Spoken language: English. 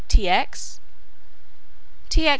"T. X.?" "T. X.